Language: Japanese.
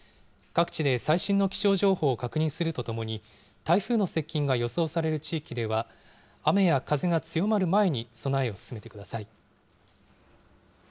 各地で最新の気象情報を確認するとともに、台風の接近が予想される地域では、雨や風が強まる前に、備えを進めてください。